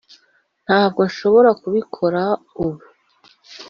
ntabwo nshobora kubikora ubu.